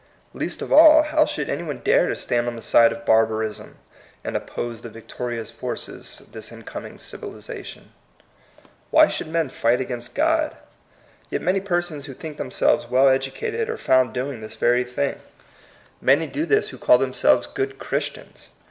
Least of all, how should any one dare to stand on the side of bar barism, and oppose the victorious forces of this incoming civilization ? Why should men fight against God? Yet many persons who think themselves well educated are found doing this very thing. Many do 62 THE COMING PEOPLE. this who call themselves good Christians.